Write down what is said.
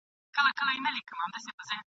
شیطاني صبر ..